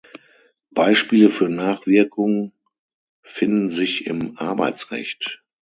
Beispiele für Nachwirkung finden sich im Arbeitsrecht.